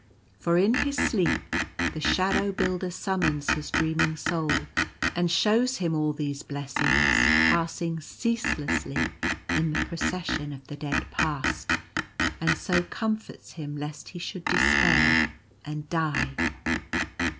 For in his sleep the Shadow Builder summons his dreaming soul, and shows him all these blessings passing ceaselessly in the Procession of the Dead Past, and so comforts him lest he should despair and die.